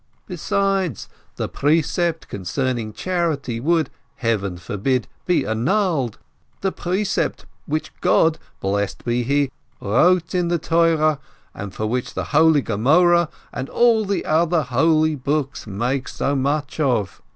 Besides, the precept con cerning charity would, Heaven forbid, be annulled, the precept which God, blessed is He, wrote in the Torah, and which the holy Gemoreh and all the other holy books make so much of.